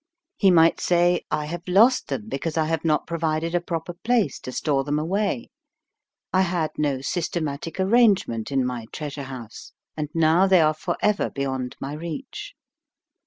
He might say I have lost them be cause I have not provided a proper place to store them away. I had no systematic arrangement in my treas ure house, and now they are forever beyond my reach.